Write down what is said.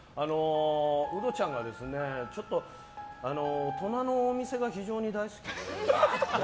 ウドちゃんが大人のお店が非常に大好きで。